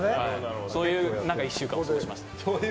そういう１週間を過ごしました。